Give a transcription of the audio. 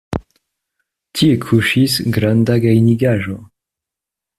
Tie kuŝis granda gajnigaĵo.